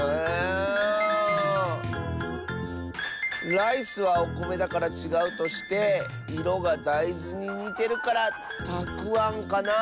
ライスはおこめだからちがうとしていろがだいずににてるからたくあんかなあ。